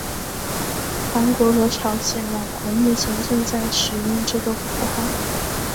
韩国和朝鲜两国目前正在使用这个符号。